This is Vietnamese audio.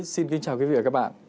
xin kính chào quý vị và các bạn